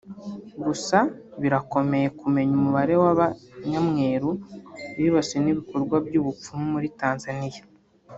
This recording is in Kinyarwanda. Gusa birakomeye kumenya umubare wa ba nyamweru bibasiwe n’ibikorwa by’ubupfumu muri Tanzania